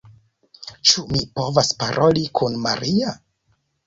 Ĉu mi povas paroli kun Maria?